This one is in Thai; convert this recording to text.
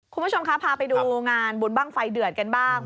คุณผู้ชมคะพาไปดูงานบุญบ้างไฟเดือดกันบ้าง